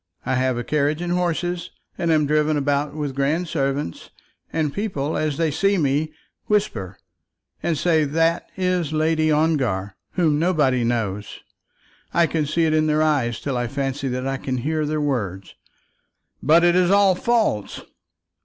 I have a carriage and horses, and am driven about with grand servants; and people, as they see me, whisper and say that is Lady Ongar, whom nobody knows. I can see it in their eyes till I fancy that I can hear their words." "But it is all false."